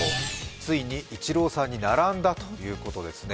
ついにイチローさんに並んだということですね。